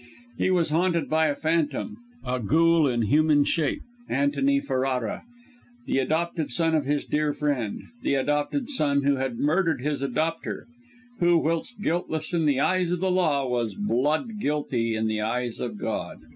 He was haunted by a phantom, a ghoul in human shape; Antony Ferrara, the adopted son of his dear friend, the adopted son, who had murdered his adopter, who whilst guiltless in the eyes of the law, was blood guilty in the eyes of God!